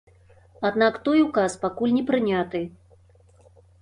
Аднак той указ пакуль не прыняты.